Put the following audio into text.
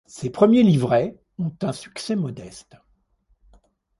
Ses premiers livrets ont un succès modeste.